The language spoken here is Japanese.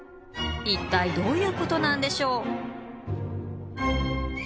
一体どういうことなんでしょう？